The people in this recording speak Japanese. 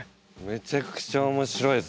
めちゃくちゃ面白いですね。